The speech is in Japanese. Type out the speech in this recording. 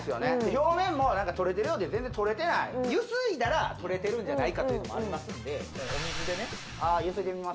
表面も何かとれてるようで全然取れてないゆすいだらとれてるんじゃないかというのもありますんでお水でねああゆすいでみます？